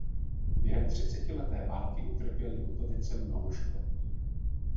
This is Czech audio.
Během třicetileté války utrpěly Butovice mnoho škod.